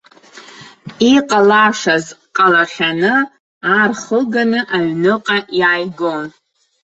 Иҟалашаз ҟалахьаны ар хыганы аҩныҟа иааигон!